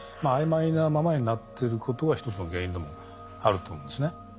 曖昧なままになってることが一つの原因でもあると思うんですね。